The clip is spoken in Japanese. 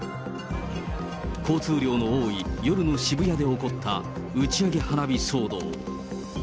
交通量の多い夜の渋谷で起こった打ち上げ花火騒動。